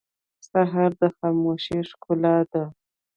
سهار د خاموشۍ ښکلا ده.